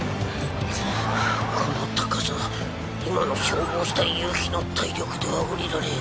この高さ今の消耗した夕日の体力では下りられん。